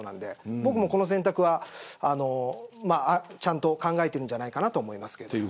この選択はちゃんと考えてるんじゃないかなと僕も思います。